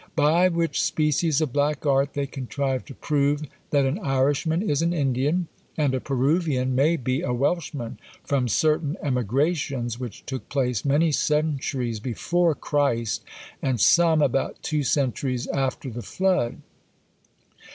By which species of black art they contrive to prove that an Irishman is an Indian, and a Peruvian may be a Welshman, from certain emigrations which took place many centuries before Christ, and some about two centuries after the flood!